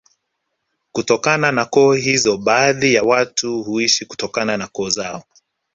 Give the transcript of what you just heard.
Kutokana na koo hizo baadhi ya watu huitwa kutokana na koo zao